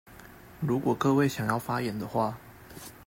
如果各位想要發言的話